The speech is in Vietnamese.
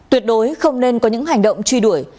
tuyệt đối không nên có những hành động truy đuổi